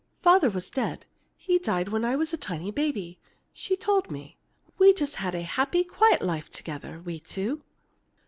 Father was dead; he died when I was a tiny baby, she told me. We just had a happy, quiet life together, we two.